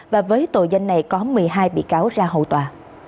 và với tội danh này có một mươi hai bị cáo ra hầu tòa